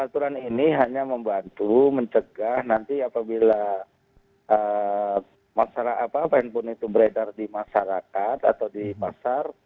aturan ini hanya membantu mencegah nanti apabila masalah apa handphone itu beredar di masyarakat atau di pasar